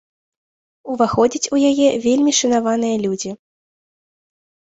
Уваходзяць у яе вельмі шанаваныя людзі.